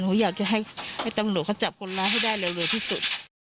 หนูอยากจะให้ตำรวจเขาจับคนร้ายให้ได้เร็วที่สุด